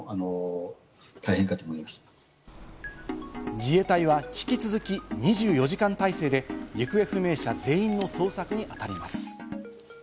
自衛隊は引き続き２４時間態勢で行方不明者全員の捜索に当たります。